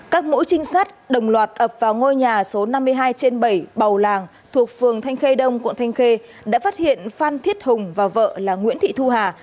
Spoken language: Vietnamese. các mũi trinh sát đồng loạt ập vào ngôi nhà số năm mươi hai trên bảy bầu làng thuộc phường thanh khê đông quận thanh khê đã phát hiện phan thiết hùng và vợ là nguyễn thị thu hà